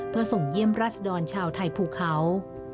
เพื่อส่งเยี่ยมราชดรชาวไทยภูเขา